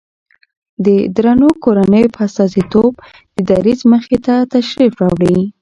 د درنو کورنيو په استازيتوب د دريځ مخې ته تشریف راوړي